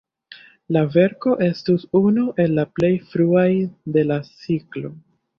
La verko estus unu el la plej fruaj de la ciklo.